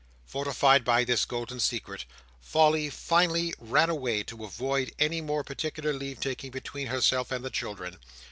Fortified by this golden secret, Polly finally ran away to avoid any more particular leave taking between herself and the children.